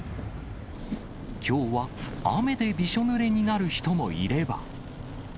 きょうは雨でびしょぬれになる人もいれば。